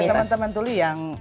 teman teman tuli yang